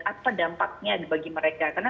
apa dampaknya bagi mereka karena